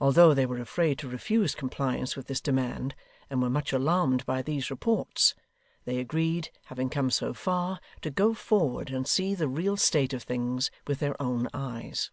Although they were afraid to refuse compliance with this demand, and were much alarmed by these reports, they agreed, having come so far, to go forward, and see the real state of things with their own eyes.